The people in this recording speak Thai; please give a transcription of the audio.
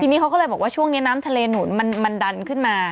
ทีนี้เขาก็เลยบอกว่าช่วงนี้น้ำทะเลหนุนมันดันขึ้นมา